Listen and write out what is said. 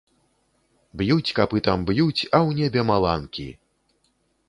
Б'юць капытам, б'юць, а ў небе маланкі!